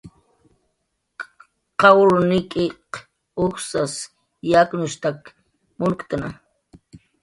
Qawr nik'iq ujsas yaknushtak munktna